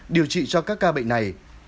điều trị cho các ca bệnh này